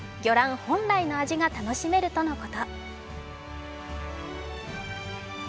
本来の味が楽しめるとのこと。